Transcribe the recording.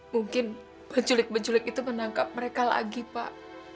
mungkin penculik penculik itu menangkap mereka lagi pak